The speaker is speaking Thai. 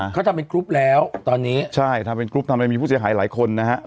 เขาทำเป็นกรุ๊ปแล้วตอนนี้ใช่ทำเป็นกรุ๊ปทำอะไรมีผู้เสียหายหลายคนนะฮะ